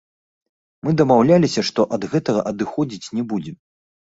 Мы дамаўляліся, што ад гэтага адыходзіць не будзем.